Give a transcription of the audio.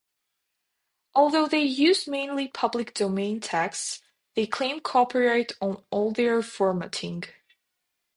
Although they use mainly Public Domain texts, they claim copyright on all their formatting.